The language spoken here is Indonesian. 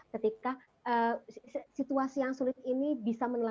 ketika situasi yang sulit ini bisa menelan